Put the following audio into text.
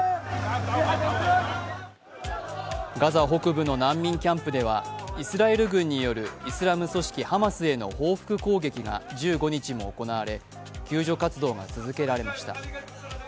ガザ北部の難民キャンプではイスラエル軍によるイスラム組織ハマスへの報復攻撃が１５日も行われ救助活動が続けられました。